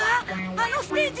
あのステージ